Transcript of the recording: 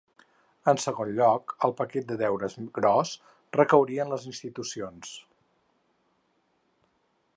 En segon lloc, el paquet de deures gros recauria en les institucions.